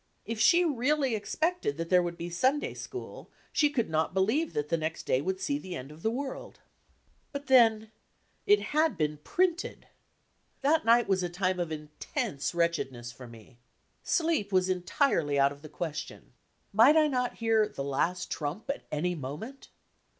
If she really expected that there would be Sunday school she could not believe that the next day would see the end of the world. D,i„Mb, Google But then it had been printed. That night was a time of intense wretchedness for me. Steep was entirely out of the question. Might I not hear "the last trump" at any moment.'